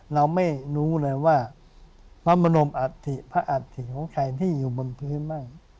เราไม่รู้เลยว่าพระมนมอัฐิพระอัฐิของใครที่อยู่บนพื้นบ้าง